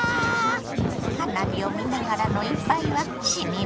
花火を見ながらの一杯はしみるわね！